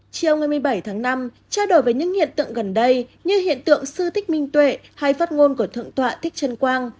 chiều một mươi bảy tháng năm trao đổi với những hiện tượng gần đây như hiện tượng sư thích minh tuệ hay phát ngôn của thượng tọa thích trân quang